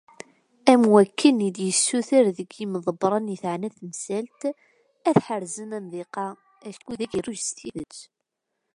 Am wakken i d-yessuter deg yimḍebbren i teεna temsalt, ad d-ḥerzen amḍiq-a, acku d agerruj s tidet.